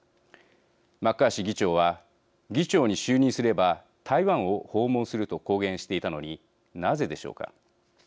マッカーシー議長は議長に就任すれば「台湾を訪問する」と公言していたのになぜでしょうか。